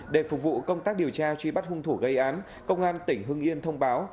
để phục vụ công tác điều tra truy bắt hung thủ gây án công an tỉnh hưng yên thông báo